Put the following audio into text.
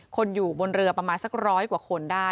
คนอยู่บนเรือประมาณสักร้อยกว่าคนได้